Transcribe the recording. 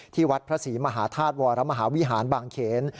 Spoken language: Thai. วัดพระศรีมหาธาตุวรมหาวิหารบางเขน